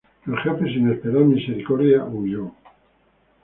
El jefe, sin esperar misericordia, huyó.